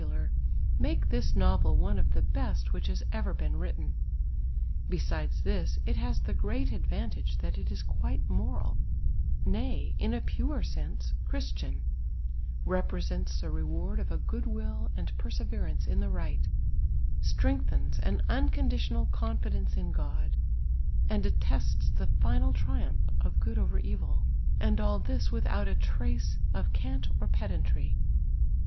ular, make this novel one of the best w hich has ever been wnitten ; besides this, it has the great advan tage that it is quite moral, nay, in a pure sense, Christian represents the reward of a good will and pei*scverance in tho right, strengthens an unconditional contidence in (iod, and attests the final triumph of good over evil ; and all this with out a trace of cant or pedantry*.